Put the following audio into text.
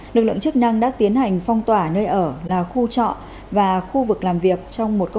lực lượng chức năng đã tiến hành phong tỏa nơi ở là khu trọ và khu vực làm việc